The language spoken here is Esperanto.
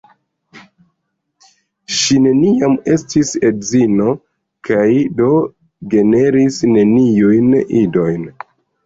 Ŝi neniam estis edzino kaj do generis neniujn idojn.